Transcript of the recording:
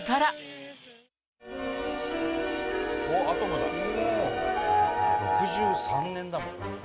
伊達：６３年だもん。